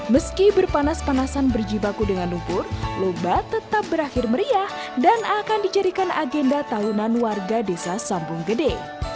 meski berpanas panasan berjibaku dengan lumpur lomba tetap berakhir meriah dan akan dijadikan agenda tahunan warga desa sampung gede